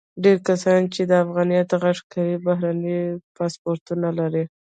ډیری کسان چې د افغانیت غږ کوي، بهرني پاسپورتونه لري.